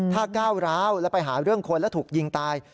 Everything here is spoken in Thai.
ถ้าก้าวร้าวแล้วไปหาเรื่องคนแล้วถูกยิงตาย